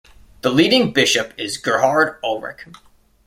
The leading bishop is Gerhard Ulrich.